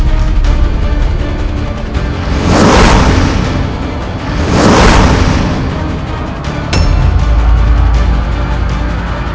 aku karenaesss lagi tidak pernah berteman denganmu